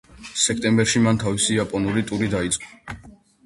სექტემბერში მან თავისი იაპონური ტური დაიწყო.